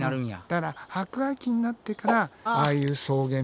だから白亜紀になってからああいう草原みたいなね